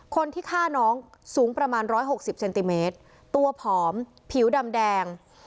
คนที่ฆ่าน้องสูงประมาณ๑๖๐เซนติเมตรตัวผอมผิวดำแดง